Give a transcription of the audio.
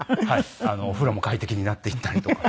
お風呂も快適になっていったりとか。